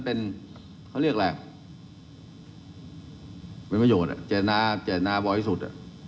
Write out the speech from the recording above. เป็นเขาเรียกอะไรมีมโยธเนี้ยเจยนาเจยนาบ่อยสุดอ่ะ